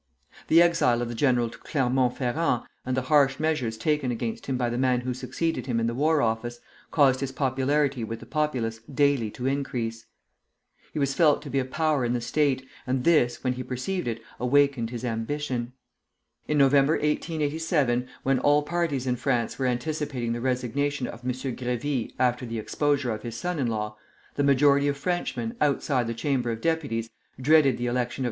The exile of the general to Clermont Ferrand, and the harsh measures taken against him by the man who succeeded him in the War Office, caused his popularity with the populace daily to increase. He was felt to be a power in the State, and this, when he perceived it, awakened his ambition. In November, 1887, when all parties in France were anticipating the resignation of M. Grévy after the exposure of his son in law, the majority of Frenchmen, outside the Chamber of Deputies, dreaded the election of M.